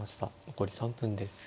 残り３分です。